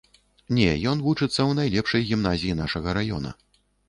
Не, ён вучыцца ў найлепшай гімназіі нашага раёна.